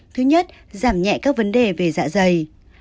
thứ nhất giảm nhẹ các vấn đề về dạ dày